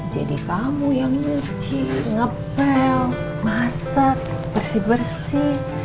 jadi kamu yang nyuci ngepel masak bersih bersih